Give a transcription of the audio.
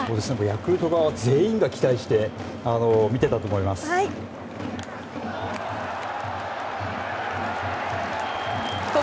ヤクルト側は全員が期待して見てたと思います。